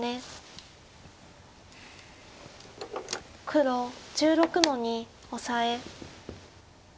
黒１６の二オサエ。